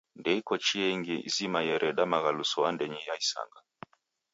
Ndeiko chia ingi zima yereda maghaluso andenyi ya isanga.